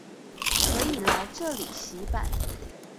可以來這裡洗版